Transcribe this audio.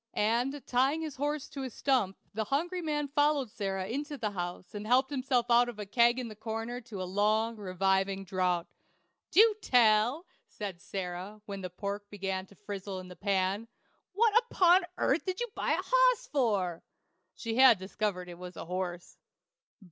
And, tying his horse to a stump, the hungry man followed Sarah into the house and helped himself out of a keg in the corner to a long, reviving draught. "Du tell!" said Sarah, when the pork began to frizzle in the pan. "What upon airth did you buy a hoss for?" (She had discovered it was a horse.)